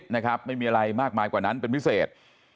เพราะมิวิทำัยไม่มีอะไรมากมายกว่านั้นเป็นพิเศษ